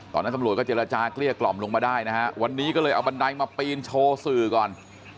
ตำรวจก็เจรจาเกลี้ยกล่อมลงมาได้นะฮะวันนี้ก็เลยเอาบันไดมาปีนโชว์สื่อก่อน